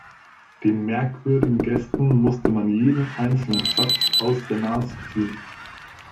Den merkwürdigen Gästen musste man jeden einzelnen Satz aus der Nase ziehen.